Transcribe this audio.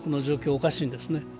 おかしいんですね。